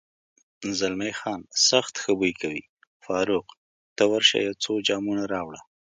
زلمی خان: سخت ښه بوی کوي، فاروق، ته ورشه یو څو جامونه راوړه.